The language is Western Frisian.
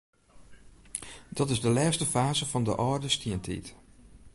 Dat is de lêste faze fan de âlde stientiid.